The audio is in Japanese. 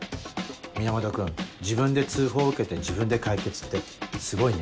源君自分で通報受けて自分で解決ってすごいね。